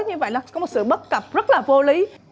như vậy là có một sự bất cập rất là vô lý